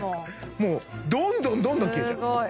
もうどんどんどんどん切れちゃうすごい！